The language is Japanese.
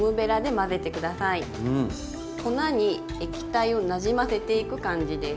粉に液体をなじませていく感じです。